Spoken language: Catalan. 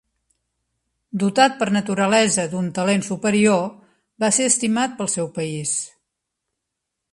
Dotat per naturalesa d'un talent superior, va ser estimat pel seu país.